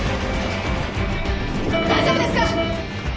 大丈夫ですか？